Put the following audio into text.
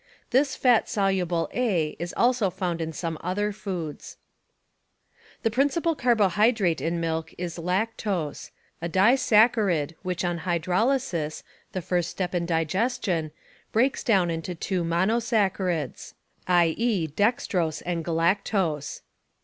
This "fat soluble A" is also found in some other foods. The principal carbohydrate in milk is lactose, a disaccharid which on hydrolysis, the first step in digestion, breaks down into two mono saccharids, i. e., dextrose and galactose.